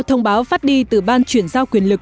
thông báo phát đi từ ban chuyển giao quyền lực